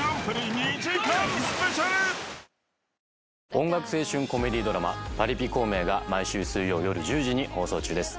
音楽青春コメディードラマ『パリピ孔明』が毎週水曜夜１０時に放送中です。